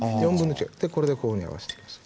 でこれでこういうふうに合わせていきます。